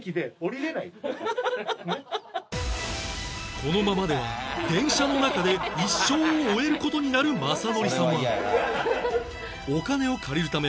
このままでは電車の中で一生を終える事になる雅紀さんはお金を借りるため